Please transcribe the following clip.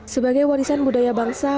sebagai warisan budaya bangsa